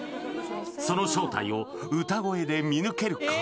その正体を歌声で見抜けるか？